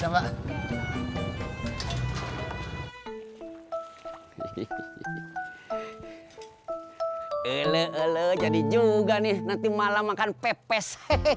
olo olo jadi juga nih nanti malah makan pepes